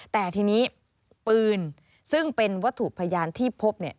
แต่ทีนี้ปืนซึ่งเป็นวัตถุพยานที่พบเนี่ย